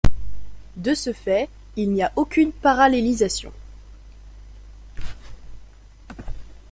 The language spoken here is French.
De ce fait, il n'y aucune parallélisation.